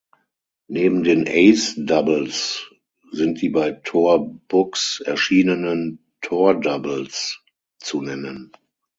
Neben den "Ace Doubles" sind die bei Tor Books erschienenen "Tor Doubles" zu nennen.